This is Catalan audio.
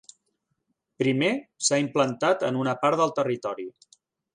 Primer s'ha implantat en una part del territori.